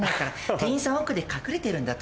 店員さん奥で隠れてるんだと思う。